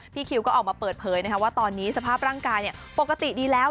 คิวก็ออกมาเปิดเผยว่าตอนนี้สภาพร่างกายปกติดีแล้ว